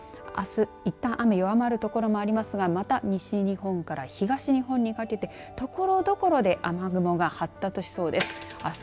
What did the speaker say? あす、いったん雨、弱まる所もありますが、また西日本から東日本にかけてところどころで雨雲が発達しそうです。